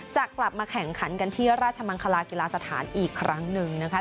จะกลับมาแข่งขันกันที่ราชมังคลากีฬาสถานอีกครั้งหนึ่งนะคะ